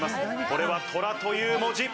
これは虎という文字。